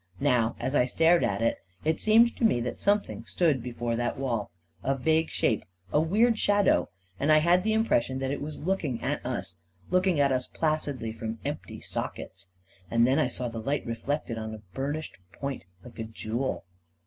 Now, as I stared at it, it seemed to me that something stood before that wall — a vague shape, a weird shadow — and I had the impression that it was looking at us — looking at us placidly from empty sockets •.. And then I saw the light reflected on a burnished point, like a jewel